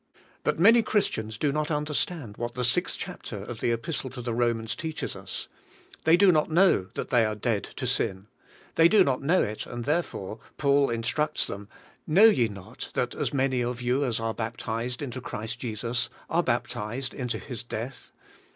But many Christians do not un derstand what the 6th chapter of the Epistle to the 118 DEAD WITH CHRIST Romans teaches us. The}^ do not know that they are dead to sin. They do not know it, and there fore Paul instructs them: "Know ye not that as many of you as are baptized into Christ Jesus, are baptized into His death."